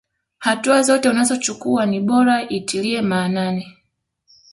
Hatua zote unazochukuwa ni bora itilie maanani.